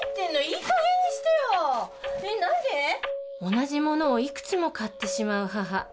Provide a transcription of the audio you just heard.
同じ物をいくつも買ってしまう母。